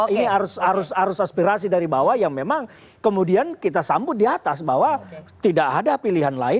ini harus aspirasi dari bawah yang memang kemudian kita sambut di atas bahwa tidak ada pilihan lain